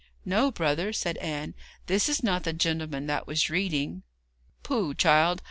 'No, brother,' said Anne, 'this is not the gentleman that was reading.' 'Pooh, child!